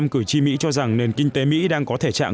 bảy mươi cử tri mỹ cho rằng nền kinh tế mỹ đang có thể chạm